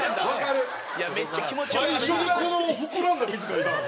最初にこの膨らんだ水描いたの？